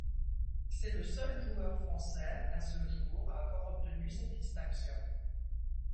C’est le seul joueur français à ce jour à avoir obtenu cette distinction.